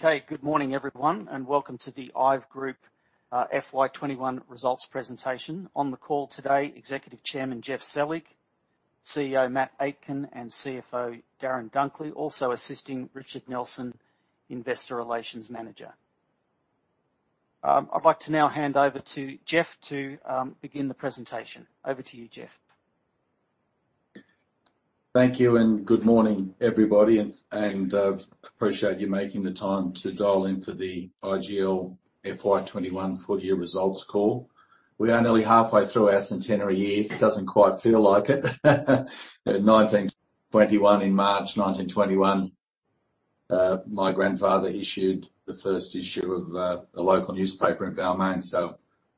Okay. Good morning, everyone, and welcome to the IVE Group FY 2021 results presentation. On the call today, Executive Chairman, Geoff Selig; CEO, Matt Aitken; and CFO, Darren Dunkley. Also assisting, Richard Nelson, Investor Relations Manager. I'd like to now hand over to Geoff to begin the presentation. Over to you, Geoff. Thank you. Good morning, everybody. Appreciate you making the time to dial in for the IVE Group FY 2021 full year results call. We are nearly halfway through our centenary year. It doesn't quite feel like it. 1921, in March 1921, my grandfather issued the first issue of the local newspaper in Balmain.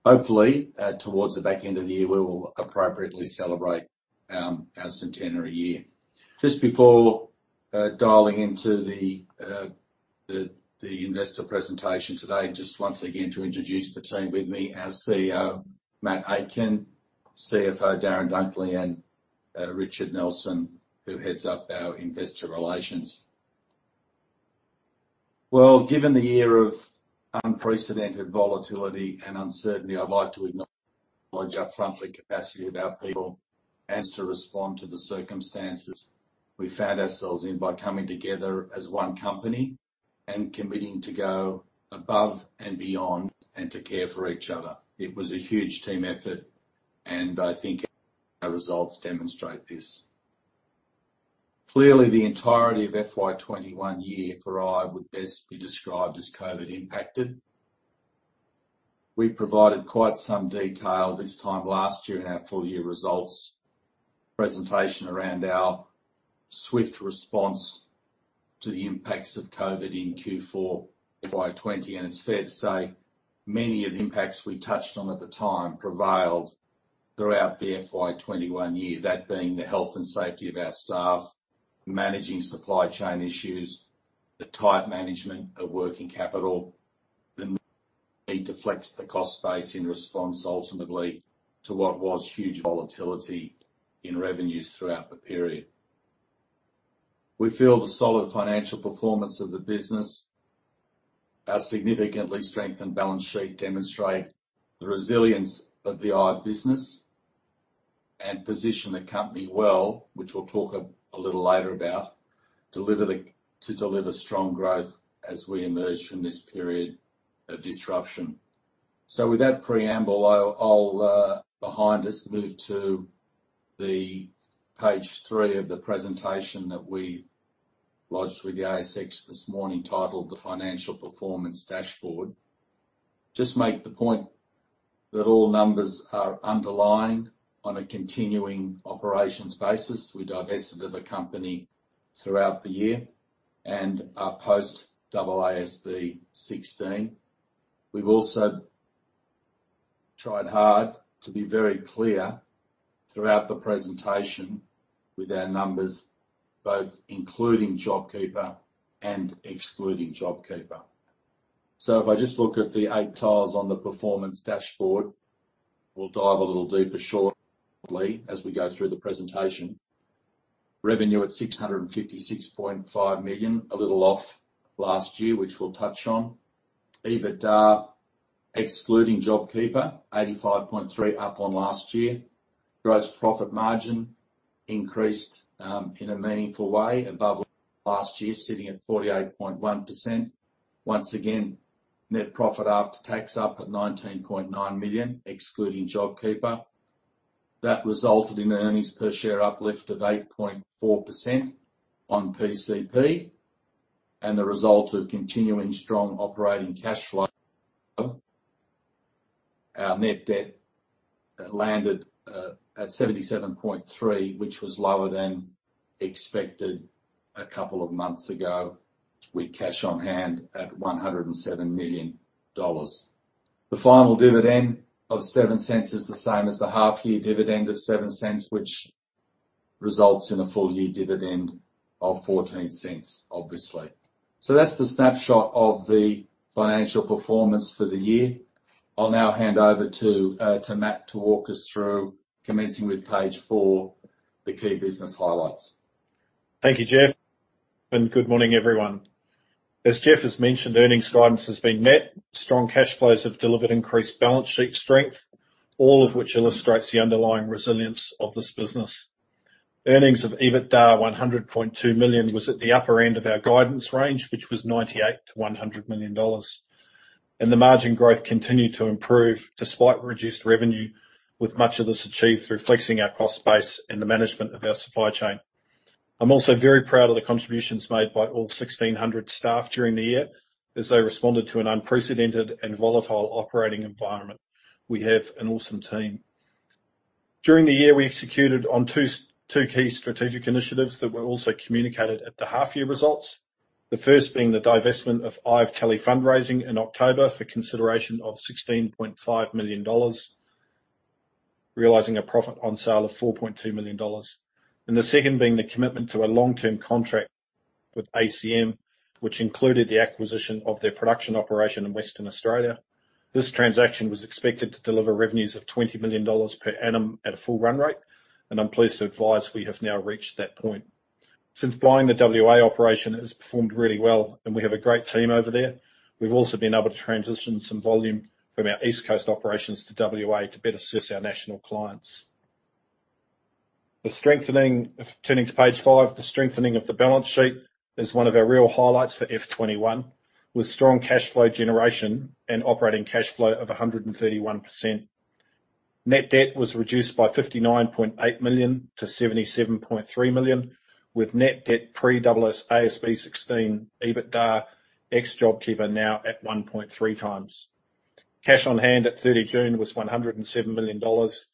Hopefully, towards the back end of the year, we will appropriately celebrate our centenary year. Just before dialing into the investor presentation today, once again to introduce the team. With me, our CEO, Matt Aitken, CFO, Darren Dunkley, and Richard Nelson, who heads up our Investor Relations. Given the year of unprecedented volatility and uncertainty, I'd like to acknowledge upfront the capacity of our people to respond to the circumstances we found ourselves in by coming together as one company and committing to go above and beyond and to care for each other. It was a huge team effort, and I think our results demonstrate this. Clearly, the entirety of FY 2021 year for IVE would best be described as COVID impacted. We provided quite some detail this time last year in our full year results presentation around our swift response to the impacts of COVID in Q4 FY 2020, and it's fair to say many of the impacts we touched on at the time prevailed throughout the FY 2021 year. That being the health and safety of our staff, managing supply chain issues, the tight management of working capital, the need to flex the cost base in response ultimately to what was huge volatility in revenues throughout the period. We feel the solid financial performance of the business, our significantly strengthened balance sheet demonstrate the resilience of the IVE business and position the company well, which we'll talk a little later about, to deliver strong growth as we emerge from this period of disruption. With that preamble behind us, move to page 3 of the presentation that we lodged with the ASX this morning titled The Financial Performance Dashboard. Just make the point that all numbers are underlying on a continuing operations basis. We divested of the company throughout the year and are post AASB 16. We've also tried hard to be very clear throughout the presentation with our numbers, both including JobKeeper and excluding JobKeeper. If I just look at the eight tiles on the performance dashboard, we'll dive a little deeper shortly as we go through the presentation. Revenue at 656.5 million, a little off last year, which we'll touch on. EBITDA, excluding JobKeeper, 85.3 up on last year. Gross profit margin increased, in a meaningful way above last year, sitting at 48.1%. Once again, net profit after tax up at 19.9 million, excluding JobKeeper. That resulted in earnings per share uplift of 8.4% on PCP and the result of continuing strong operating cash flow. Our net debt landed at 77.3, which was lower than expected a couple of months ago, with cash on hand at 107 million dollars. The final dividend of 0.07 is the same as the half year dividend of 0.07, which results in a full year dividend of 0.14, obviously. That's the snapshot of the financial performance for the year. I'll now hand over to Matt to walk us through, commencing with page 4, the key business highlights. Thank you, Geoff, good morning, everyone. As Geoff has mentioned, earnings guidance has been met. Strong cash flows have delivered increased balance sheet strength, all of which illustrates the underlying resilience of this business. Earnings of EBITDA 100.2 million was at the upper end of our guidance range, which was 98 million-100 million dollars. The margin growth continued to improve despite reduced revenue, with much of this achieved through flexing our cost base and the management of our supply chain. I'm also very proud of the contributions made by all 1,600 staff during the year as they responded to an unprecedented and volatile operating environment. We have an awesome team. During the year, we executed on two key strategic initiatives that were also communicated at the half year results. The first being the divestment of IVE Telefundraising in October for consideration of 16.5 million dollars, realizing a profit on sale of 4.2 million dollars. The second being the commitment to a long-term contract with ACM, which included the acquisition of their production operation in Western Australia. This transaction was expected to deliver revenues of 20 million dollars per annum at a full run rate. I'm pleased to advise we have now reached that point. Since buying the WA operation, it has performed really well, and we have a great team over there. We've also been able to transition some volume from our East Coast operations to WA to better assist our national clients. Turning to page 5, the strengthening of the balance sheet is one of our real highlights for FY 2021, with strong cash flow generation and operating cash flow of 131%. Net debt was reduced by 59.8 million to 77.3 million, with net debt pre-AASB 16, EBITDA, ex-JobKeeper Payment now at 1.3 times. Cash on hand at June 30 was 107 million dollars.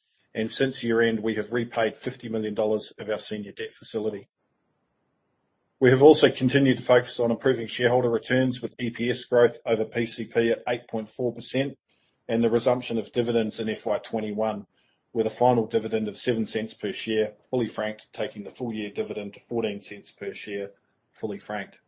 Since year-end, we have repaid 50 million dollars of our senior debt facility. We have also continued to focus on improving shareholder returns with EPS growth over PCP at 8.4%, and the resumption of dividends in FY 2021, with a final dividend of 0.07 per share, fully franked, taking the full year dividend to 0.14 per share, fully franked.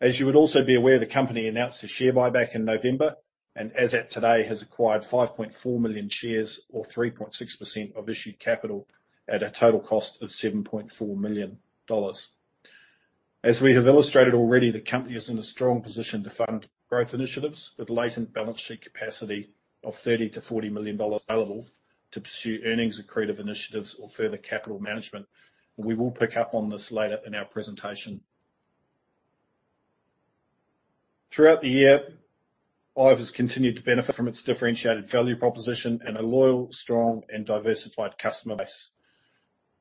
As you would also be aware, the company announced a share buyback in November, and as at today, has acquired 5.4 million shares or 3.6% of issued capital at a total cost of 7.4 million dollars. As we have illustrated already, the company is in a strong position to fund growth initiatives with latent balance sheet capacity of 30 million-40 million dollars available to pursue earnings accretive initiatives or further capital management. We will pick up on this later in our presentation. Throughout the year, IVE has continued to benefit from its differentiated value proposition and a loyal, strong, and diversified customer base.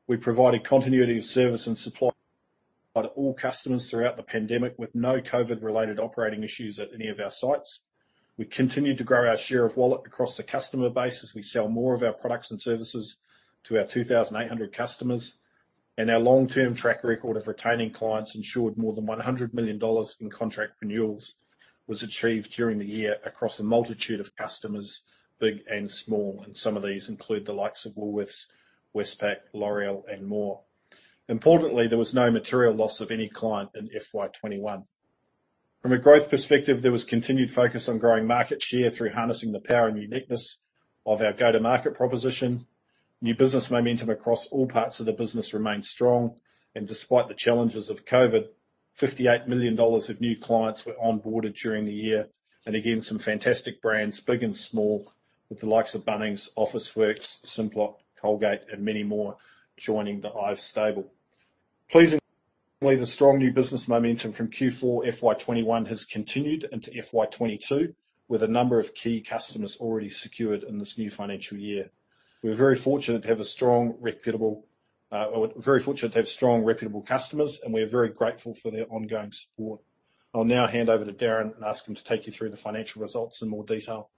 We provided continuity of service and supply to all customers throughout the pandemic, with no COVID-related operating issues at any of our sites. We continued to grow our share of wallet across the customer base as we sell more of our products and services to our 2,800 customers. Our long-term track record of retaining clients ensured more than 100 million dollars in contract renewals was achieved during the year across a multitude of customers, big and small. Some of these include the likes of Woolworths, Westpac, L'Oréal, and more. Importantly, there was no material loss of any client in FY 2021. From a growth perspective, there was continued focus on growing market share through harnessing the power and uniqueness of our go-to-market proposition. New business momentum across all parts of the business remained strong. Despite the challenges of COVID, 58 million dollars of new clients were onboarded during the year. Again, some fantastic brands, big and small, with the likes of Bunnings, Officeworks, Simplot, Colgate, and many more joining the IVE stable. Pleasingly, the strong new business momentum from Q4 FY 2021 has continued into FY 2022, with a number of key customers already secured in this new financial year. We're very fortunate to have strong, reputable customers, and we are very grateful for their ongoing support. I'll now hand over to Darren and ask him to take you through the financial results in more detail.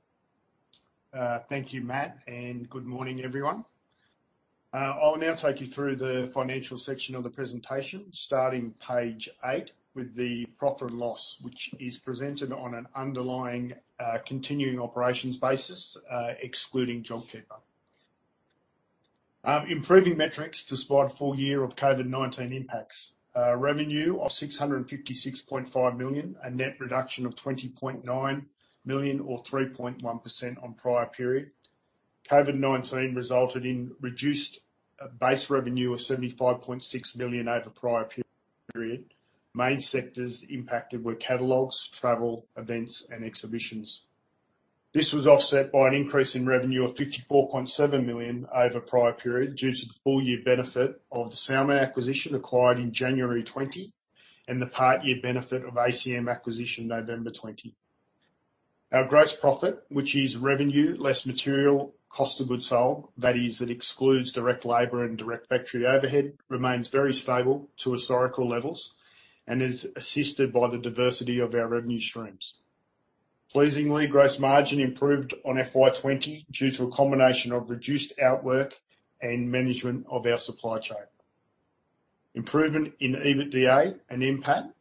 Thank you, Matt, and good morning, everyone. I'll now take you through the financial section of the presentation starting page 8 with the profit and loss, which is presented on an underlying continuing operations basis, excluding JobKeeper Payment. Improving metrics despite a full year of COVID-19 impacts. Revenue of 656.5 million, a net reduction of 20.9 million or 3.1% on prior period. COVID-19 resulted in reduced base revenue of 75.6 million over prior period. Main sectors impacted were catalogs, travel, events, and exhibitions. This was offset by an increase in revenue of 54.7 million over prior period due to the full-year benefit of the Salmat acquisition acquired in January 2020, and the part-year benefit of ACM acquisition November 2020. Our gross profit, which is revenue less material cost of goods sold, that is, it excludes direct labor and direct factory overhead, remains very stable to historical levels and is assisted by the diversity of our revenue streams. Pleasingly, gross margin improved on FY 2020 due to a combination of reduced outwork and management of our supply chain. Improvement in EBITDA and NPAT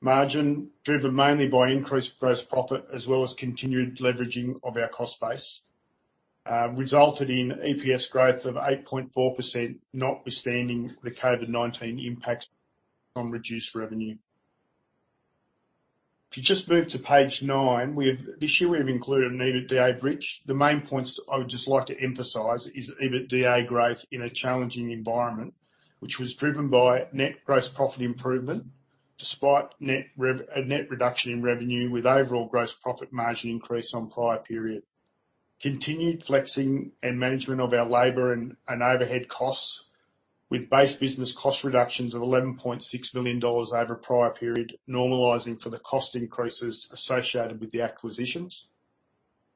margin driven mainly by increased gross profit as well as continued leveraging of our cost base, resulted in EPS growth of 8.4%, notwithstanding the COVID-19 impacts on reduced revenue. If you just move to page 9, this year we have included an EBITDA bridge. The main points I would just like to emphasize is EBITDA growth in a challenging environment, which was driven by net gross profit improvement despite a net reduction in revenue with overall gross profit margin increase on prior period. Continued flexing and management of our labor and overhead costs with base business cost reductions of 11.6 million dollars over prior period, normalizing for the cost increases associated with the acquisitions.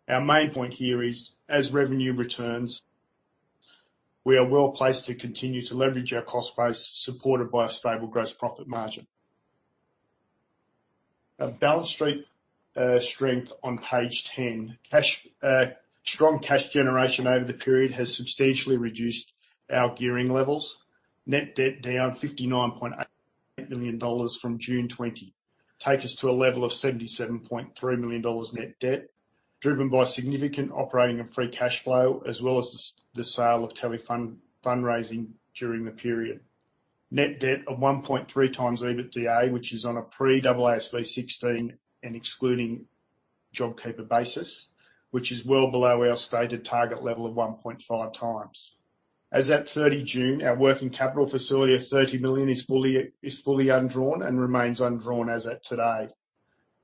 Our main point here is, as revenue returns, we are well-placed to continue to leverage our cost base, supported by a stable gross profit margin. Our balance sheet strength on page 10. Strong cash generation over the period has substantially reduced our gearing levels. Net debt down 59.8 million dollars from June 2020 take us to a level of 77.3 million dollars net debt, driven by significant operating and free cash flow, as well as the sale of Telefundraising during the period. Net debt of 1.3 times EBITDA, which is on a pre-AASB 16 and excluding JobKeeper basis, which is well below our stated target level of 1.5 times. As at 30 June, our working capital facility of 30 million is fully undrawn and remains undrawn as at today.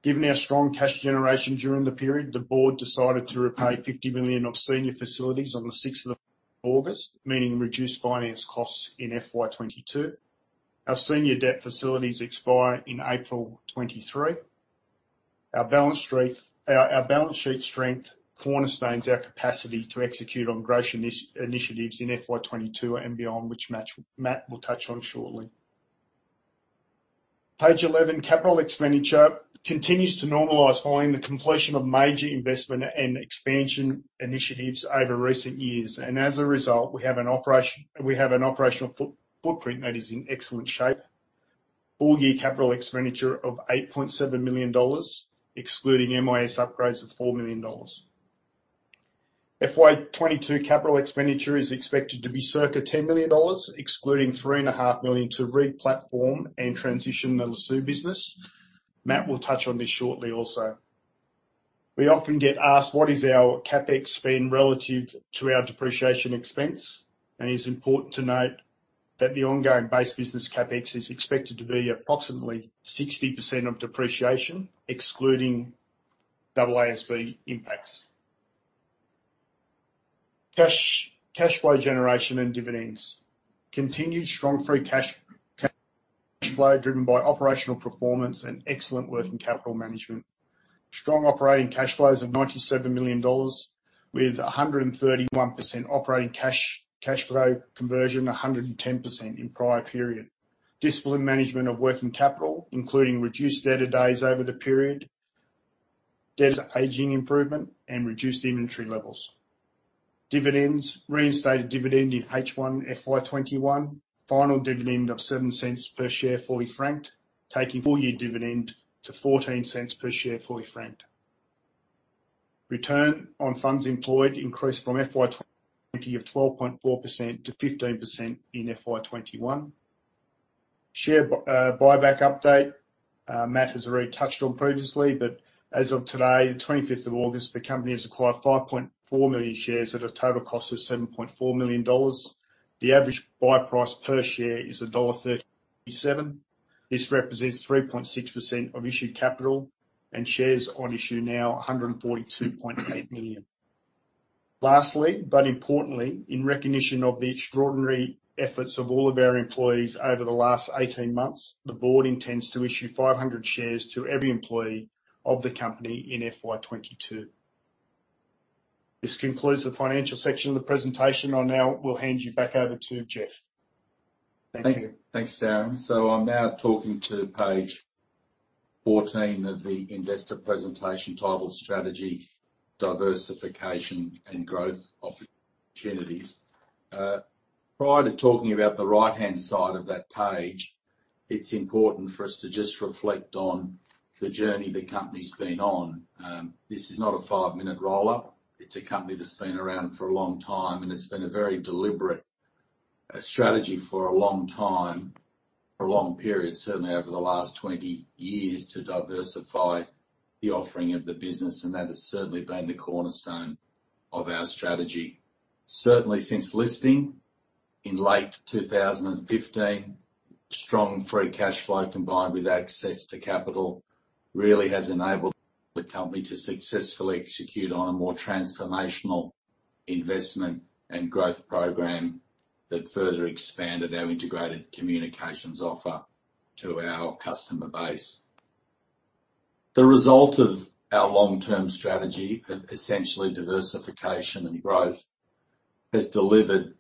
Given our strong cash generation during the period, the board decided to repay 50 million of senior facilities on the 6th of August, meaning reduced finance costs in FY 2022. Our senior debt facilities expire in April 2023. Our balance sheet strength cornerstones our capacity to execute on growth initiatives in FY 2022 and beyond which Matt will touch on shortly. Page 11, capital expenditure continues to normalize following the completion of major investment and expansion initiatives over recent years. As a result, we have an operational footprint that is in excellent shape. Full year capital expenditure of 8.7 million dollars, excluding MIS upgrades of 4 million dollars. FY 2022 capital expenditure is expected to be circa 10 million dollars, excluding 3.5 million to re-platform and transition the Lasoo business. Matt will touch on this shortly also. We often get asked what is our CapEx spend relative to our depreciation expense, and it's important to note that the ongoing base business CapEx is expected to be approximately 60% of depreciation, excluding AASB impacts. Cash flow generation and dividends. Continued strong free cash flow driven by operational performance and excellent working capital management. Strong operating cash flows of 97 million dollars with 131% operating cash flow conversion, 110% in prior period. Discipline management of working capital, including reduced debtor days over the period, debtor aging improvement, and reduced inventory levels. Dividends. Reinstated dividend in H1 FY 2021. Final dividend of 0.07 per share fully franked, taking full year dividend to 0.14 per share fully franked. Return on funds employed increased from FY 2020 of 12.4%-15% in FY 2021. Share buyback update. Matt has already touched on previously, but as of today, the 25th of August, the company has acquired 5.4 million shares at a total cost of 7.4 million dollars. The average buy price per share is dollar 1.37. This represents 3.6% of issued capital and shares on issue now 142.8 million. Lastly, but importantly, in recognition of the extraordinary efforts of all of our employees over the last 18 months, the board intends to issue 500 shares to every employee of the company in FY 2022. This concludes the financial section of the presentation. I now will hand you back over to Geoff. Thank you. Thanks, Darren. I'm now talking to page 14 of the investor presentation titled Strategy, Diversification, and Growth Opportunities. Prior to talking about the right-hand side of that page, it's important for us to just reflect on the journey the company's been on. This is not a five-minute roll-up. It's a company that's been around for a long time, and it's been a very deliberate strategy for a long time, for a long period, certainly over the last 20 years, to diversify the offering of the business. That has certainly been the cornerstone of our strategy. Certainly since listing in late 2015, strong free cash flow combined with access to capital really has enabled the company to successfully execute on a more transformational investment and growth program that further expanded our integrated communications offer to our customer base. The result of our long-term strategy, essentially diversification and growth, has delivered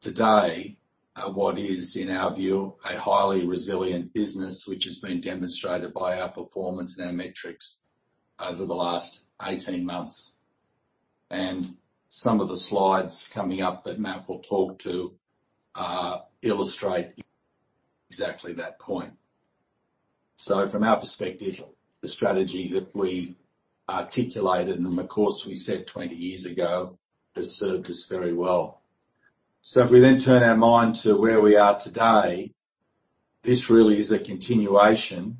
today what is, in our view, a highly resilient business, which has been demonstrated by our performance and our metrics over the last 18 months. Some of the slides coming up that Matt will talk to, illustrate exactly that point. From our perspective, the strategy that we articulated and the course we set 20 years ago has served us very well. If we then turn our mind to where we are today, this really is a continuation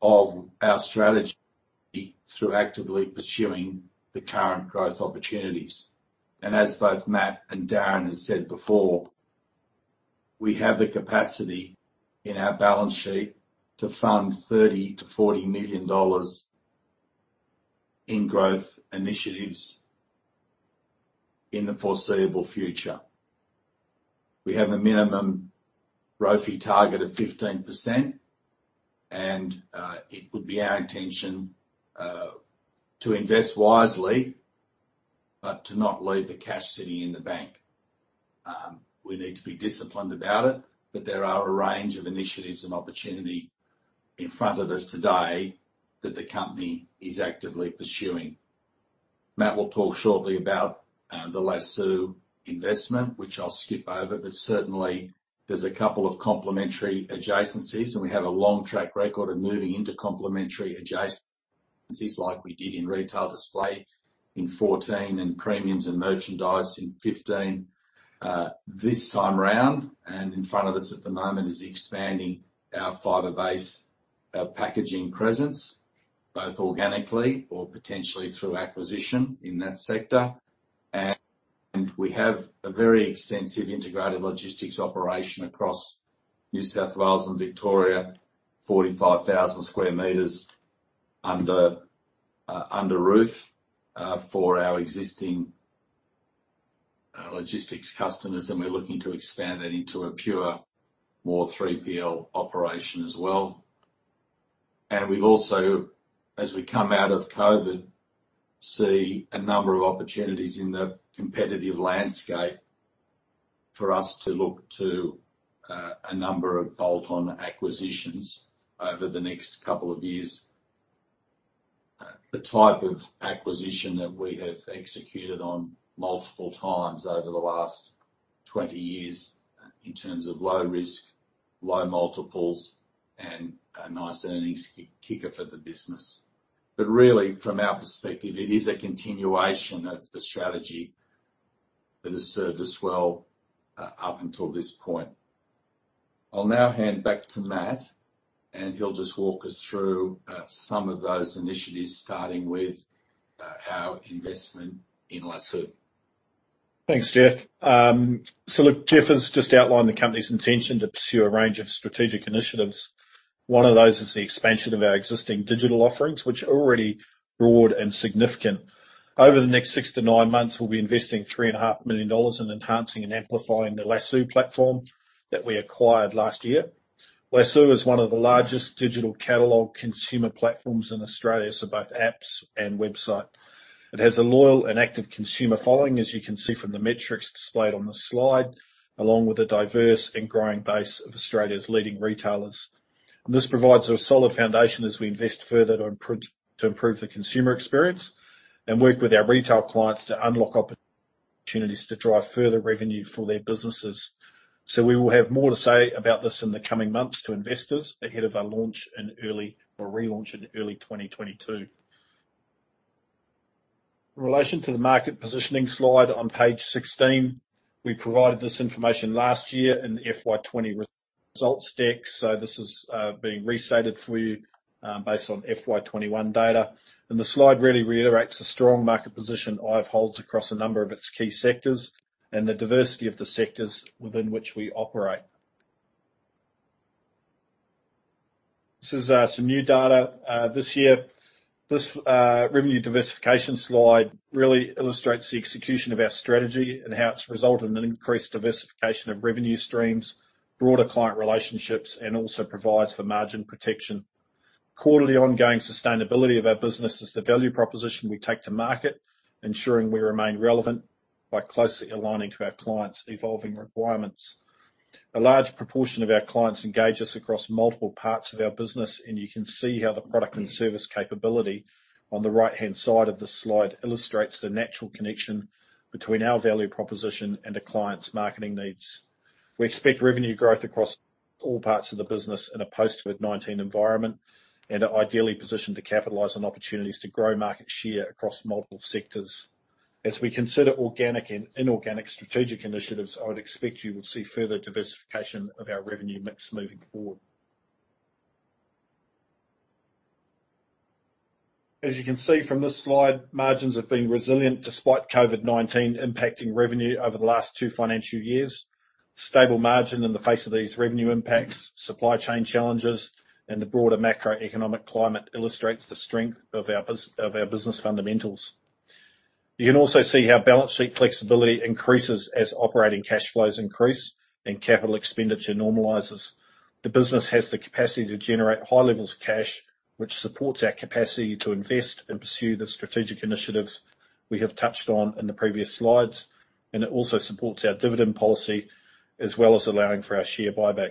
of our strategy through actively pursuing the current growth opportunities. As both Matt and Darren has said before, we have the capacity in our balance sheet to fund 30 million-40 million dollars in growth initiatives in the foreseeable future. We have a minimum ROFE target of 15%, and it would be our intention, to invest wisely, but to not leave the cash sitting in the bank. We need to be disciplined about it, but there are a range of initiatives and opportunity in front of us today that the company is actively pursuing. Matt will talk shortly about the Lasoo investment, which I'll skip over, but certainly there's a couple of complementary adjacencies, and we have a long track record of moving into complementary adjacent like we did in retail display in 2014, and premiums and merchandise in 2015. This time around, and in front of us at the moment, is expanding our fibre-based packaging presence, both organically or potentially through acquisition in that sector. We have a very extensive integrated logistics operation across New South Wales and Victoria, 45,000 sq m under roof for our existing logistics customers. We're looking to expand that into a pure more 3PL operation as well. We also, as we come out of COVID, see a number of opportunities in the competitive landscape for us to look to a number of bolt-on acquisitions over the next couple of years. The type of acquisition that we have executed on multiple times over the last 20 years in terms of low risk, low multiples, and a nice earnings kicker for the business. Really, from our perspective, it is a continuation of the strategy that has served us well up until this point. I'll now hand back to Matt, and he'll just walk us through some of those initiatives, starting with our investment in Lasoo. Thanks, Geoff. Look, Geoff has just outlined the company's intention to pursue a range of strategic initiatives. One of those is the expansion of our existing digital offerings, which are already broad and significant. Over the next six to nine months, we'll be investing 3.5 million dollars in enhancing and amplifying the Lasoo platform that we acquired last year. Lasoo is one of the largest digital catalogue consumer platforms in Australia, so both apps and website. It has a loyal and active consumer following, as you can see from the metrics displayed on this slide, along with a diverse and growing base of Australia's leading retailers. This provides a solid foundation as we invest further to improve the consumer experience and work with our retail clients to unlock opportunities to drive further revenue for their businesses. We will have more to say about this in the coming months to investors ahead of our relaunch in early 2022. In relation to the market positioning slide on page 16, we provided this information last year in the FY 2020 results deck. This is being restated for you based on FY 2021 data. The slide really reiterates the strong market position IVE holds across a number of its key sectors and the diversity of the sectors within which we operate. This is some new data. This year, this revenue diversification slide really illustrates the execution of our strategy and how it's resulted in an increased diversification of revenue streams, broader client relationships, and also provides for margin protection. Quarterly ongoing sustainability of our business is the value proposition we take to market, ensuring we remain relevant by closely aligning to our clients' evolving requirements. A large proportion of our clients engage us across multiple parts of our business, and you can see how the product and service capability on the right-hand side of the slide illustrates the natural connection between our value proposition and a client's marketing needs. We expect revenue growth across all parts of the business in a post-COVID-19 environment and are ideally positioned to capitalize on opportunities to grow market share across multiple sectors. As we consider organic and inorganic strategic initiatives, I would expect you will see further diversification of our revenue mix moving forward. As you can see from this slide, margins have been resilient despite COVID-19 impacting revenue over the last two financial years. Stable margin in the face of these revenue impacts, supply chain challenges, and the broader macroeconomic climate illustrates the strength of our business fundamentals. You can also see how balance sheet flexibility increases as operating cash flows increase and capital expenditure normalizes. The business has the capacity to generate high levels of cash, which supports our capacity to invest and pursue the strategic initiatives we have touched on in the previous slides. It also supports our dividend policy, as well as allowing for our share buyback.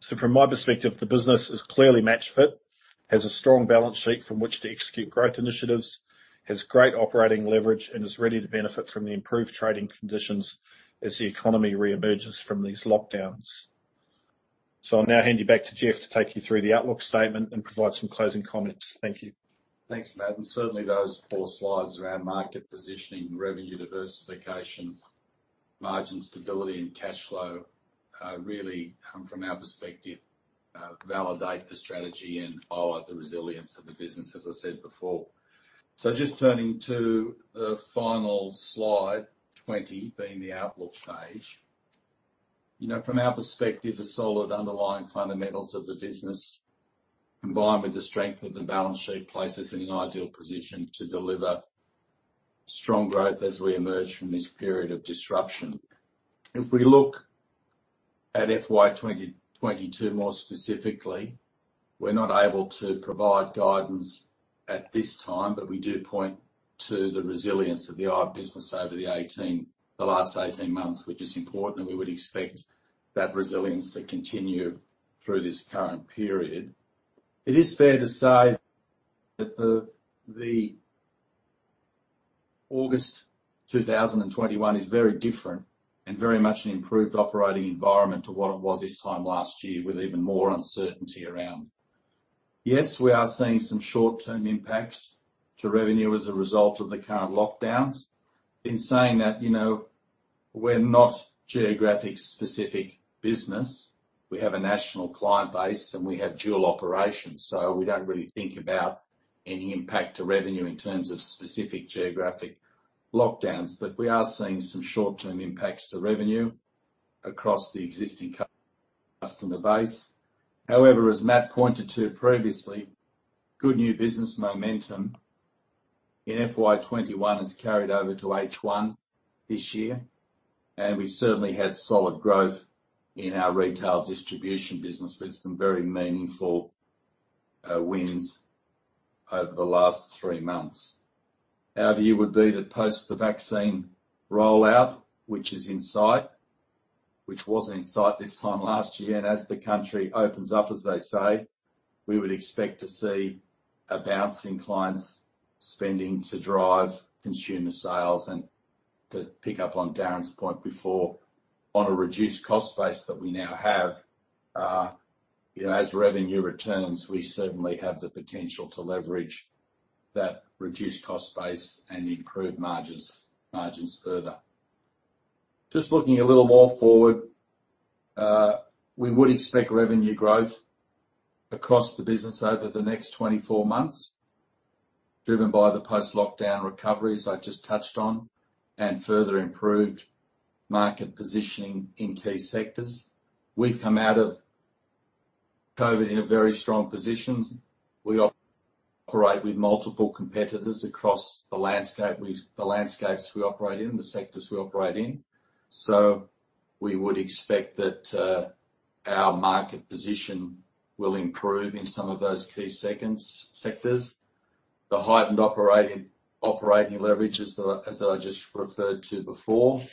From my perspective, the business is clearly match fit, has a strong balance sheet from which to execute growth initiatives, has great operating leverage, and is ready to benefit from the improved trading conditions as the economy re-emerges from these lockdowns. I'll now hand you back to Geoff to take you through the outlook statement and provide some closing comments. Thank you. Thanks, Matt. Certainly, those four slides around market positioning, revenue diversification, margin stability, and cash flow, really, from our perspective, validate the strategy and highlight the resilience of the business, as I said before. Just turning to the final slide, 20, being the outlook page. From our perspective, the solid underlying fundamentals of the business, combined with the strength of the balance sheet, place us in an ideal position to deliver strong growth as we emerge from this period of disruption. If we look at FY 2022 more specifically, we're not able to provide guidance at this time, but we do point to the resilience of the IVE business over the last 18 months, which is important, and we would expect that resilience to continue through this current period. It is fair to say that the August 2021 is very different and very much an improved operating environment to what it was this time last year, with even more uncertainty around. Yes, we are seeing some short-term impacts to revenue as a result of the current lockdowns. In saying that, we're not geographic-specific business. We have a national client base, and we have dual operations, so we don't really think about any impact to revenue in terms of specific geographic lockdowns. We are seeing some short-term impacts to revenue across the existing customer base. However, as Matt pointed to previously, good new business momentum in FY 2021 has carried over to H1 this year, and we've certainly had solid growth in our retail distribution business with some very meaningful wins over the last three months. Our view would be that post the vaccine rollout, which is in sight, which wasn't in sight this time last year, and as the country opens up, as they say, we would expect to see a bounce in clients spending to drive consumer sales and to pick up on Darren's point before, on a reduced cost base that we now have. As revenue returns, we certainly have the potential to leverage that reduced cost base and improve margins further. Just looking a little more forward, we would expect revenue growth across the business over the next 24 months, driven by the post-lockdown recovery, as I've just touched on, and further improved market positioning in key sectors. We've come out of COVID in a very strong position. We operate with multiple competitors across the landscapes we operate in, the sectors we operate in. We would expect that our market position will improve in some of those key sectors. The heightened operating leverage, as I just referred to before.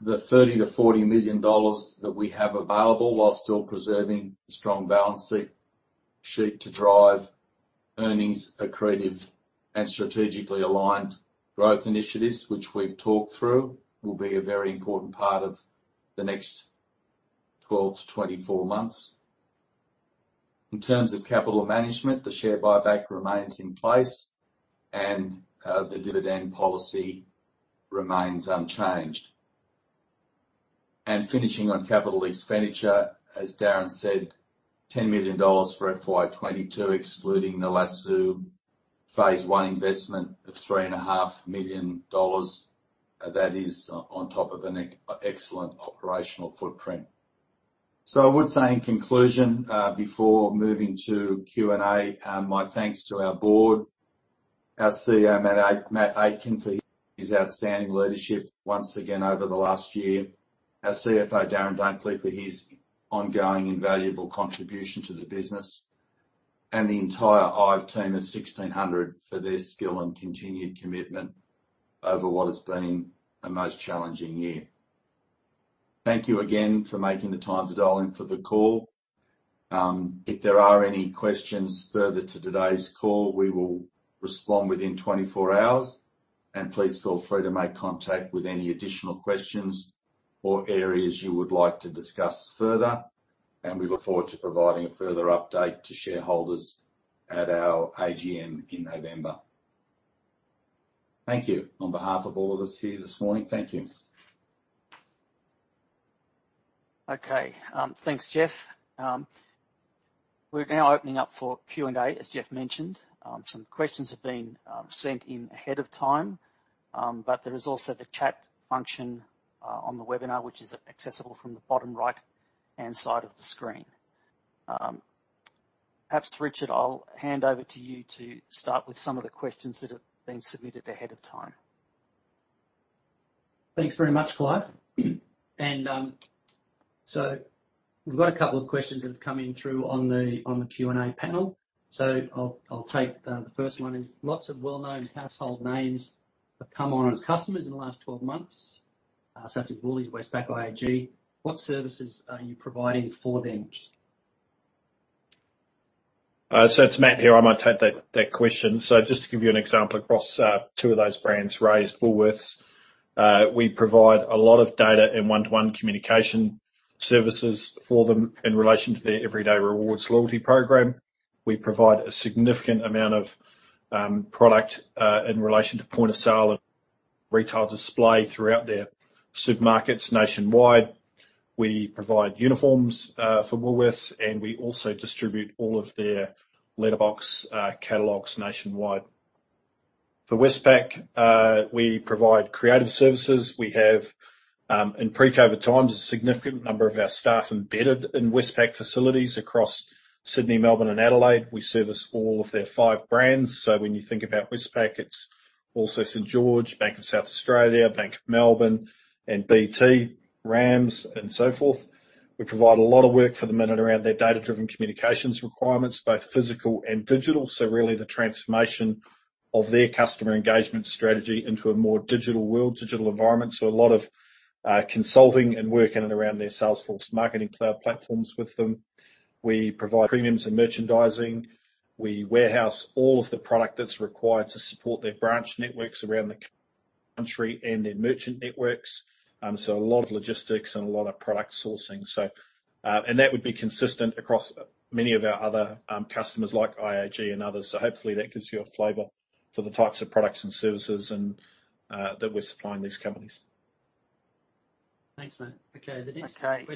The 30 million-40 million dollars that we have available while still preserving a strong balance sheet to drive earnings accretive and strategically aligned growth initiatives, which we've talked through, will be a very important part of the next 12-24 months. In terms of capital management, the share buyback remains in place, and the dividend policy remains unchanged. Finishing on CapEx, as Darren said, 10 million dollars for FY 2022, excluding the Lasoo phase I investment of 3.5 million dollars. That is on top of an excellent operational footprint. I would say in conclusion, before moving to Q&A, my thanks to our board, our CEO, Matt Aitken, for his outstanding leadership once again over the last year, our CFO, Darren Dunkley, for his ongoing invaluable contribution to the business, and the entire IVE team of 1,600 for their skill and continued commitment over what has been a most challenging year. Thank you again for making the time to dial in for the call. If there are any questions further to today's call, we will respond within 24 hours, and please feel free to make contact with any additional questions or areas you would like to discuss further, and we look forward to providing a further update to shareholders at our AGM in November. Thank you. On behalf of all of us here this morning, thank you. Okay. Thanks, Geoff. We're now opening up for Q&A, as Geoff mentioned. Some questions have been sent in ahead of time, but there is also the chat function on the webinar, which is accessible from the bottom right-hand side of the screen. Perhaps, Richard, I'll hand over to you to start with some of the questions that have been submitted ahead of time. Thanks very much, Clive. We've got a couple of questions that have come in through on the Q&A panel. I'll take the first one. Lots of well-known household names have come on as customers in the last 12 months, such as Woolies, Westpac, IAG. What services are you providing for them? It's Matt here. I might take that question. Just to give you an example across two of those brands raised, Woolworths. We provide a lot of data and 1-to-1 communication services for them in relation to their Everyday Rewards loyalty program. We provide a significant amount of product in relation to point of sale and retail display throughout their supermarkets nationwide. We provide uniforms for Woolworths, and we also distribute all of their letterbox catalogs nationwide. For Westpac, we provide creative services. We have, in pre-COVID times, a significant number of our staff embedded in Westpac facilities across Sydney, Melbourne, and Adelaide. We service all of their five brands. When you think about Westpac, it's also St.George, BankSA, Bank of Melbourne, and BT, RAMS, and so forth. We provide a lot of work for them in and around their data-driven communications requirements, both physical and digital. Really the transformation of their customer engagement strategy into a more digital world, digital environment. A lot of consulting and working in and around their Salesforce Marketing Cloud platforms with them. We provide premiums and merchandising. We warehouse all of the product that's required to support their branch networks around the. Country and their merchant networks. A lot of logistics and a lot of product sourcing. That would be consistent across many of our other customers like IAG and others. Hopefully that gives you a flavor for the types of products and services that we're supplying these companies. Thanks, Matt. Okay. Okay.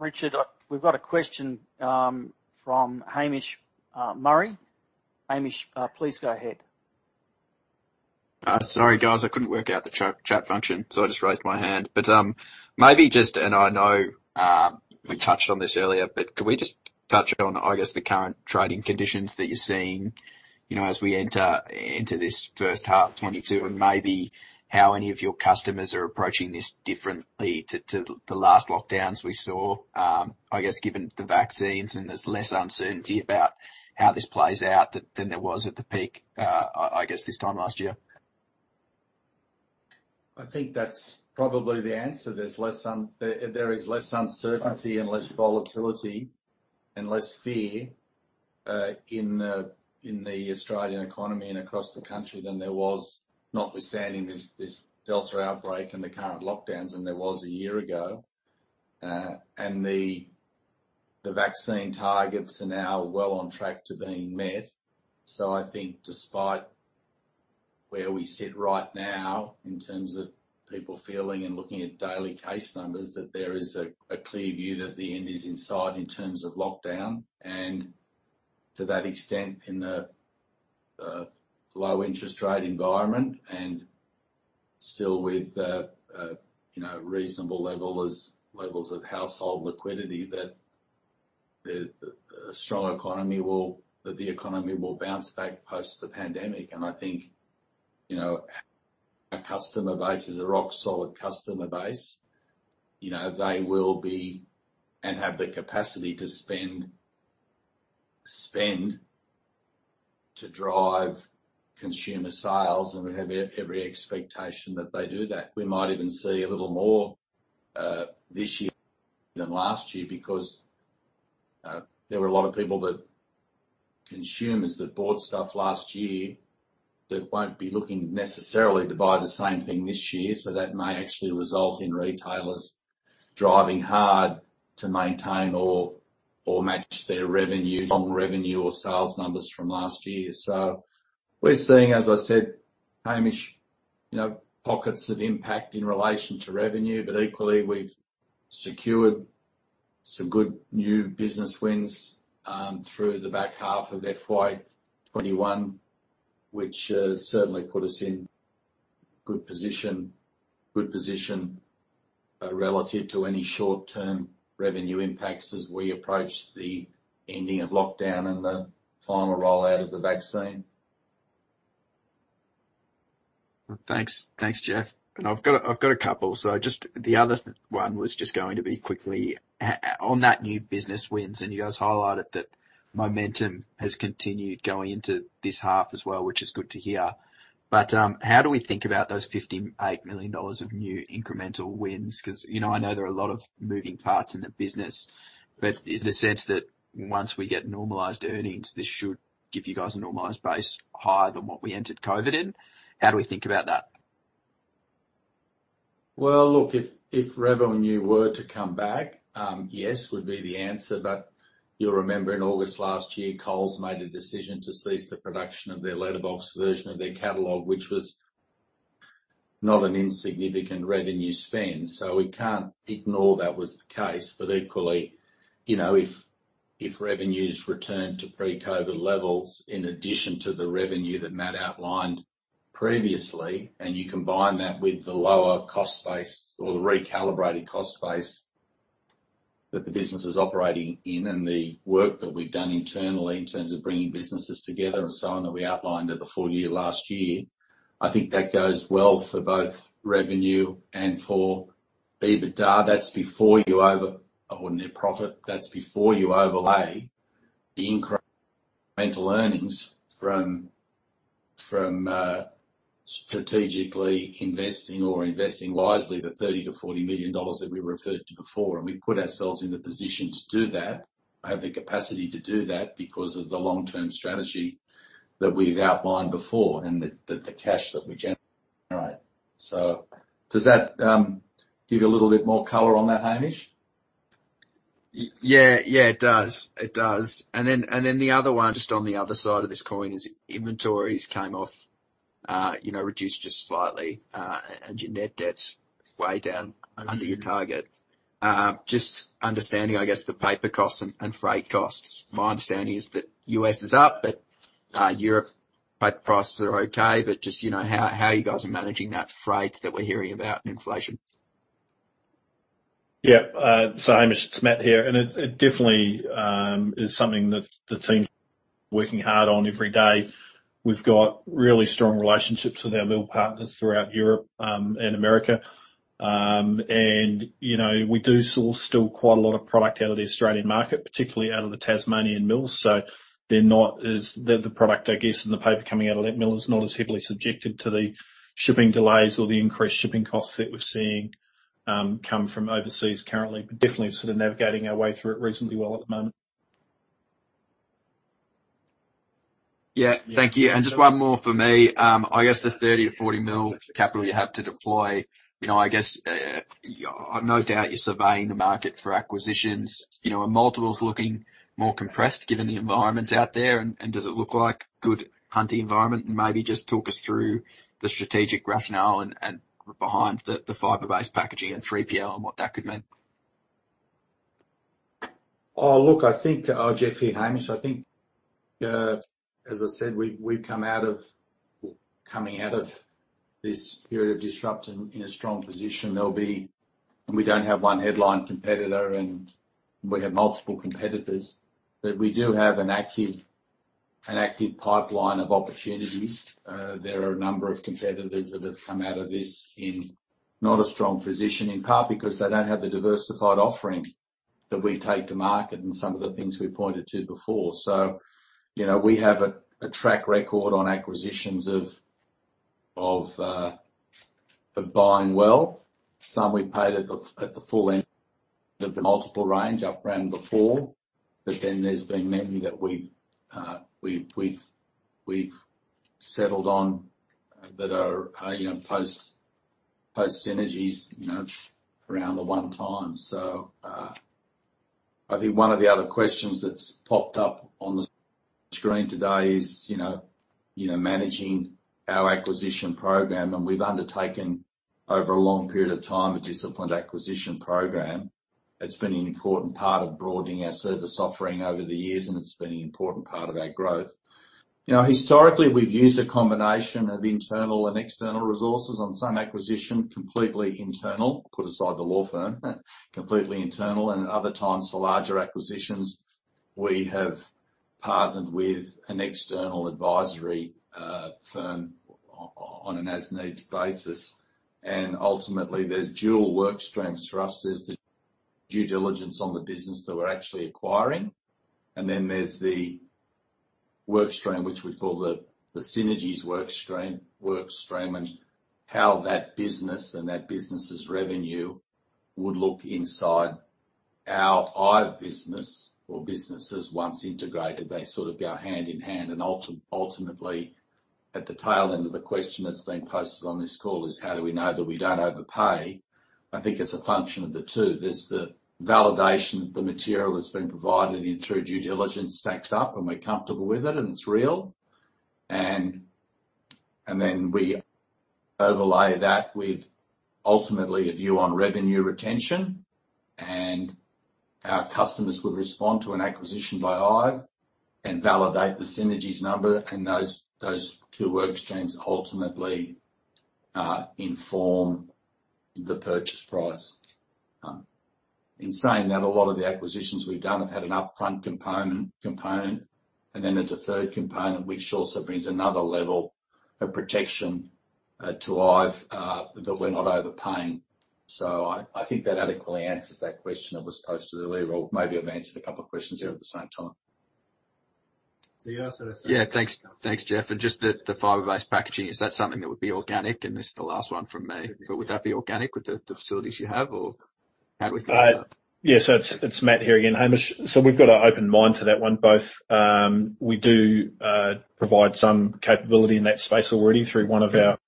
Richard, we've got a question from Hamish Murray. Hamish, please go ahead. Sorry, guys, I couldn't work out the chat function, so I just raised my hand. Maybe just, and I know we touched on this earlier, but could we just touch on, I guess, the current trading conditions that you're seeing, as we enter into this first half 2022, and maybe how any of your customers are approaching this differently to the last lockdowns we saw? I guess, given the vaccines and there's less uncertainty about how this plays out than there was at the peak, I guess, this time last year. I think that's probably the answer. There is less uncertainty and less volatility and less fear, in the Australian economy and across the country than there was notwithstanding this Delta outbreak and the current lockdowns than there was a year ago. The vaccine targets are now well on track to being met. I think despite where we sit right now in terms of people feeling and looking at daily case numbers, that there is a clear view that the end is in sight in terms of lockdown, and to that extent, in the low interest rate environment and still with reasonable levels of household liquidity, that the economy will bounce back post the pandemic. I think our customer base is a rock solid customer base. They will be, and have the capacity to spend, to drive consumer sales, and we have every expectation that they do that. We might even see a little more this year than last year because there were a lot of people, consumers that bought stuff last year that won't be looking necessarily to buy the same thing this year. That may actually result in retailers driving hard to maintain or match their revenue, on revenue or sales numbers from last year. We're seeing, as I said, Hamish, pockets of impact in relation to revenue. Equally, we've secured some good new business wins through the back half of FY 2021, which has certainly put us in good position relative to any short-term revenue impacts as we approach the ending of lockdown and the final rollout of the vaccine. Thanks. Thanks, Geoff. I've got a couple. Just the other one was just going to be quickly on that new business wins. You guys highlighted that momentum has continued going into this half as well, which is good to hear. How do we think about those 58 million dollars of new incremental wins? I know there are a lot of moving parts in the business, but is there a sense that once we get normalized earnings, this should give you guys a normalized base higher than what we entered COVID in? How do we think about that? Well, look, if revenue were to come back, yes, would be the answer. You'll remember in August last year, Coles made a decision to cease the production of their letterbox version of their catalog, which was not an insignificant revenue spend. We can't ignore that was the case. Equally, if revenues return to pre-COVID levels in addition to the revenue that Matt outlined previously, and you combine that with the lower cost base or the recalibrated cost base that the business is operating in and the work that we've done internally in terms of bringing businesses together and so on, that we outlined at the full year last year. I think that goes well for both revenue and for EBITDA. That's before you overlay net profit. That's before you overlay the incremental earnings from strategically investing or investing wisely the 30 million-40 million dollars that we referred to before. We put ourselves in the position to do that. I have the capacity to do that because of the long-term strategy that we've outlined before and the cash that we generate. Does that give you a little bit more color on that, Hamish? Yeah, it does. The other one, just on the other side of this coin is inventories came off reduced just slightly. Your net debt's way down under your target. Just understanding, I guess, the paper costs and freight costs. My understanding is that U.S. is up, but Europe paper prices are okay, but just, how you guys are managing that freight that we're hearing about and inflation? Yeah. Hamish, it's Matt here, it definitely is something that the team working hard on every day. We've got really strong relationships with our mill partners throughout Europe and America. We do source still quite a lot of product out of the Australian market, particularly out of the Tasmanian mills. The product, I guess, and the paper coming out of that mill is not as heavily subjected to the shipping delays or the increased shipping costs that we're seeing come from overseas currently. Definitely sort of navigating our way through it reasonably well at the moment. Yeah. Thank you. Just one more for me. I guess the 30 million to 40 million capital you have to deploy, I guess, no doubt you're surveying the market for acquisitions. Are multiples looking more compressed given the environment out there, and does it look like a good hunting environment? Maybe just talk us through the strategic rationale and behind the fiber-based packaging and 3PL and what that could mean. Geoff here, Hamish. I think, as I said, we're coming out of this period of disruption in a strong position. We don't have one headline competitor and we have multiple competitors, but we do have an active pipeline of opportunities. There are a number of competitors that have come out of this in not a strong position, in part because they don't have the diversified offering that we take to market and some of the things we pointed to before. We have a track record on acquisitions of buying well. Some we paid at the full end of the multiple range around the 4x, but then there's been many that we've settled on that are post synergies around the 1x. I think one of the other questions that's popped up on the screen today is managing our acquisition program. We've undertaken over a long period of time a disciplined acquisition program. It's been an important part of broadening our service offering over the years. It's been an important part of our growth. Historically, we've used a combination of internal and external resources. On some acquisition, completely internal, put aside the law firm. Completely internal. Other times for larger acquisitions, we have partnered with an external advisory firm on an as-needs basis. Ultimately, there's dual work streams for us. There's the due diligence on the business that we're actually acquiring. Then there's the work stream, which we call the synergies work stream, how that business and that business's revenue would look inside our IVE business or businesses. Once integrated, they sort of go hand in hand and ultimately at the tail end of the question that's been posted on this call is how do we know that we don't overpay? I think it's a function of the two. There's the validation that the material that's been provided through due diligence stacks up and we're comfortable with it and it's real. Then we overlay that with ultimately a view on revenue retention, and our customers would respond to an acquisition by IVE and validate the synergies number and those two work streams ultimately inform the purchase price. In saying that, a lot of the acquisitions we've done have had an upfront component, and then there's a third component which also brings another level of protection to IVE, that we're not overpaying. I think that adequately answers that question that was posted earlier, or maybe I've answered a couple of questions there at the same time. You asked. Yeah, thanks. Thanks, Geoff. Just the fiber-based packaging, is that something that would be organic? This is the last one from me. Would that be organic with the facilities you have, or how do we think about that? It's Matt here again, Hamish. We've got an open mind to that one. Both, we do provide some capability in that space already through one of our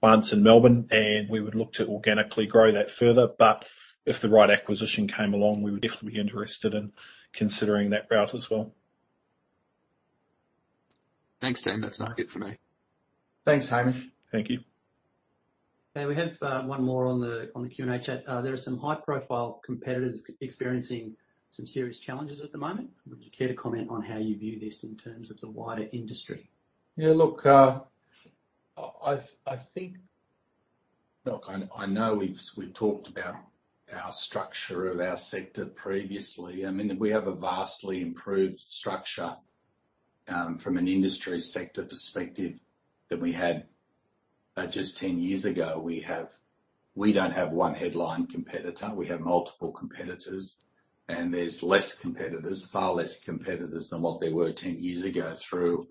plants in Melbourne, and we would look to organically grow that further. If the right acquisition came along, we would definitely be interested in considering that route as well. Thanks, Dan. That's it for me. Thanks, Hamish. Thank you. We have one more on the Q&A chat. There are some high-profile competitors experiencing some serious challenges at the moment. Would you care to comment on how you view this in terms of the wider industry? Yeah. Look, I know we've talked about our structure of our sector previously. I mean, we have a vastly improved structure, from an industry sector perspective than we had just 10 years ago. We don't have one headline competitor. We have multiple competitors, and there's less competitors, far less competitors than what there were 10 years ago through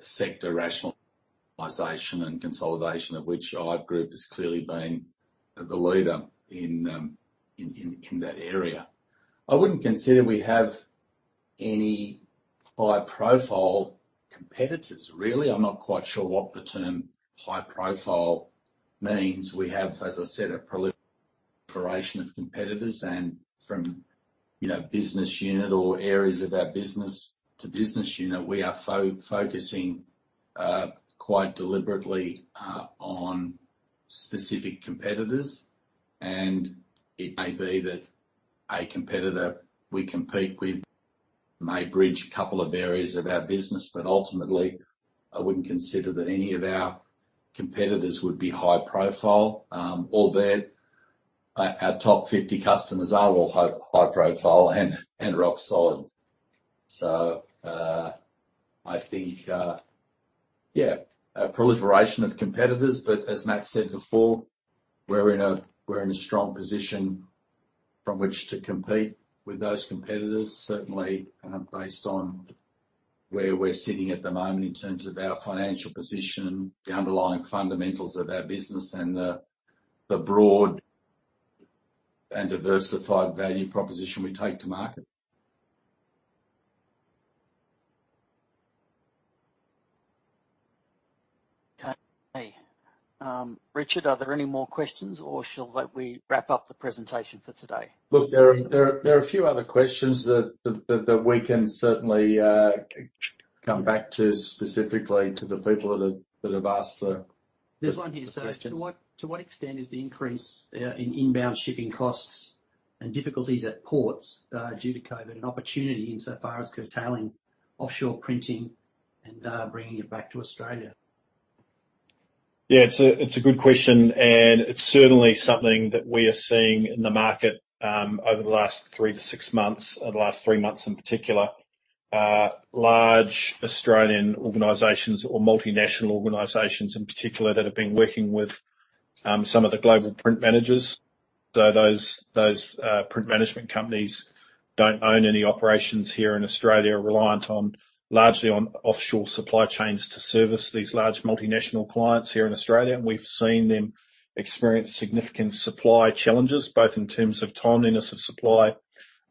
sector rationalization and consolidation, of which IVE Group has clearly been the leader in that area. I wouldn't consider we have any high-profile competitors, really. I'm not quite sure what the term high profile means. We have, as I said, a proliferation of competitors and from business unit or areas of our business to business unit, we are focusing quite deliberately on specific competitors, and it may be that a competitor we compete with may bridge a couple of areas of our business. Ultimately, I wouldn't consider that any of our competitors would be high profile. Albeit our top 50 customers are all high profile and rock solid. I think a proliferation of competitors, but as Matt said before, we're in a strong position from which to compete with those competitors, certainly based on where we're sitting at the moment in terms of our financial position, the underlying fundamentals of our business and the broad and diversified value proposition we take to market. Okay. Richard, are there any more questions or shall we wrap up the presentation for today? There are a few other questions that we can certainly come back to, specifically to the people that have asked the question. There's one here. To what extent is the increase in inbound shipping costs and difficulties at ports due to COVID an opportunity insofar as curtailing offshore printing and bringing it back to Australia? Yeah, it's a good question. It's certainly something that we are seeing in the market over the last three to six months, or the last three months in particular. Large Australian organizations or multinational organizations in particular that have been working with some of the global print managers. Those print management companies don't own any operations here in Australia, are reliant largely on offshore supply chains to service these large multinational clients here in Australia. We've seen them experience significant supply challenges, both in terms of timeliness of supply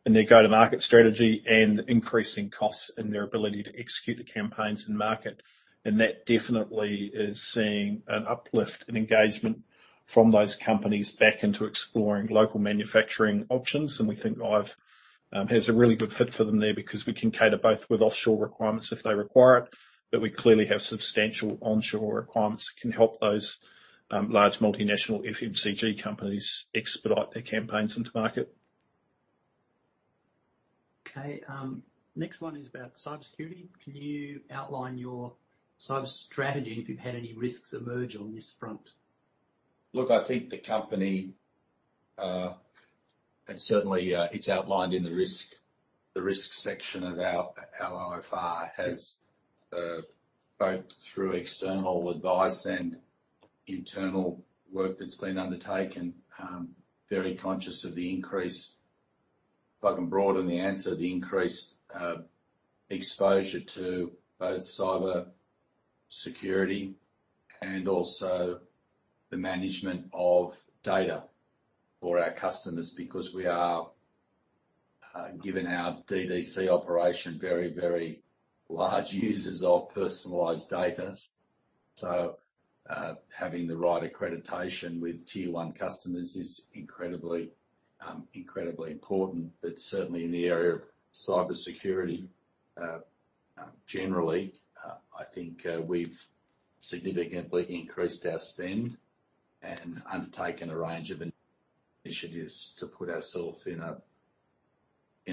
in their go-to-market strategy and increasing costs in their ability to execute campaigns in market. That definitely is seeing an uplift in engagement from those companies back into exploring local manufacturing options. We think IVE has a really good fit for them there because we can cater both with offshore requirements if they require it. We clearly have substantial onshore requirements that can help those large multinational FMCG companies expedite their campaigns into market. Okay. Next one is about cybersecurity. Can you outline your cyber strategy and if you've had any risks emerge on this front? I think the company, and certainly it's outlined in the risk section of our OFR, has both through external advice and internal work that's been undertaken, very conscious of the increase. If I can broaden the answer, the increased exposure to both cybersecurity and also the management of data for our customers, because we are, given our DDC operation, very large users of personalized data. Having the right accreditation with tier 1 customers is incredibly important. Certainly in the area of cybersecurity, generally, I think we've significantly increased our spend and undertaken a range of initiatives to put ourself in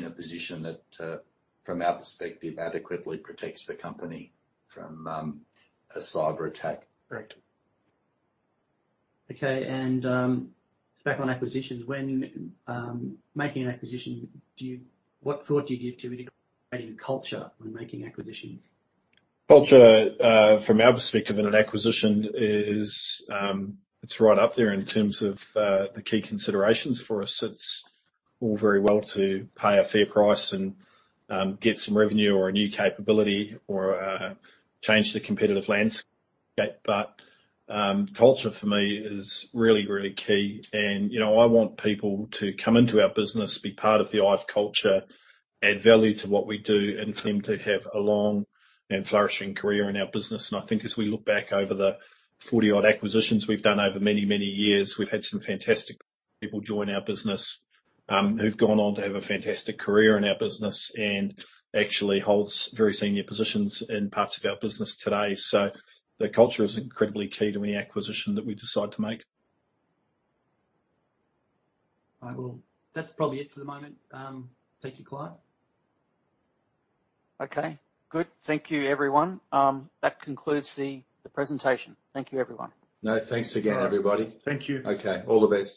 a position that, from our perspective, adequately protects the company from a cyberattack. Correct. Okay. Back on acquisitions. When making an acquisition, what thought do you give to integrating culture when making acquisitions? Culture from our perspective in an acquisition is. It's right up there in terms of the key considerations for us. It's all very well to pay a fair price and get some revenue or a new capability or change the competitive landscape. Culture for me is really key. I want people to come into our business, be part of the IVE culture, add value to what we do, and for them to have a long and flourishing career in our business. I think as we look back over the 40-odd acquisitions we've done over many, many years, we've had some fantastic people join our business, who've gone on to have a fantastic career in our business and actually holds very senior positions in parts of our business today. The culture is incredibly key to any acquisition that we decide to make. All right. Well, that's probably it for the moment. Thank you, Clive. Okay, good. Thank you everyone. That concludes the presentation. Thank you, everyone. No, thanks again, everybody. Thank you. Okay. All the best.